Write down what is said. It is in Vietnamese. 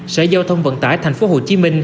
sở giao thông vận tải tp hcm